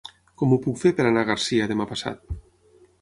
Com ho puc fer per anar a Garcia demà passat?